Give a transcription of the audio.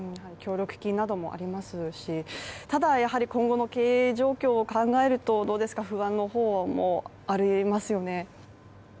協力金などもありますし、ただやはり今後の経営状況を考えるとどうですか不安の方もありますよね。